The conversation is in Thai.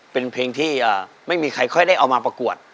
เป็นเพลงที่ไม่มีใครค่อยได้เอามาประกวด